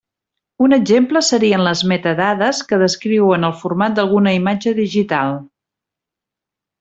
Un exemple serien les metadades que descriuen el format d'alguna imatge digital.